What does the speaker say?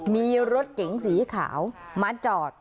มีรถเก๋งสีขาวมาจอด